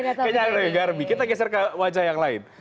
kayaknya anggar anggar kita geser ke wajah yang lain